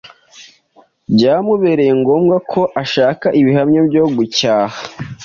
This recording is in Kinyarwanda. byamubereye ngombwa ko ashaka ibihamya byo gucyaha,